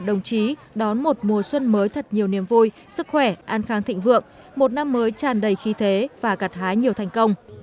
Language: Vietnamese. đồng chí đón một mùa xuân mới thật nhiều niềm vui sức khỏe an khang thịnh vượng một năm mới tràn đầy khí thế và gặt hái nhiều thành công